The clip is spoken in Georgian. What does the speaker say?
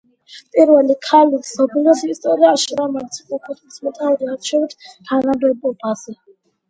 პირველი ქალი მსოფლიოს ისტორიაში, რომელიც იყო ქვეყნის მეთაური არჩევით თანამდებობაზე.